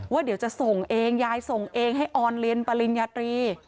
ว่าเดี๋ยวจะส่งเองยายส่งเองให้ออนเรียนปริญญาตรี